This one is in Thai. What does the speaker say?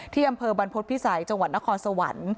อำเภอบรรพฤษภิษัยจังหวัดนครสวรรค์